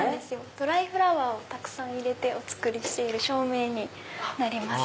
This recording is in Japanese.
ドライフラワーをたくさん入れてお作りしている照明になります。